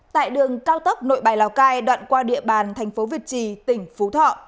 tại đường cao tốc nội bài lào cai đoạn qua địa bàn thành phố việt trì tỉnh phú thọ